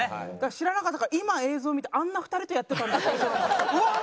知らなかったから今映像見てあんな２人とやってたんだってうわっ！